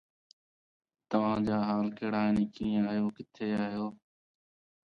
Together they travel in a spider-shaped, eight-legged flying saucer she calls the Web-Trac.